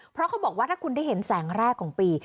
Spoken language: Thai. เพราะเขาบอกว่าถ้าคุณได้เห็นแสงแรกของปี